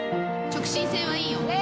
直進性はいいよ。